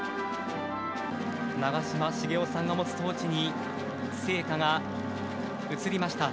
長嶋茂雄さんが持つトーチに、聖火が移りました。